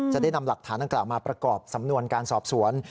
จะได้นำหลักฐานดังกล่าวมาประกอบสำนวนการสอบสวน